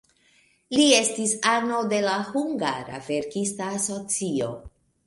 Li estis ano de la hungara verkista asocio.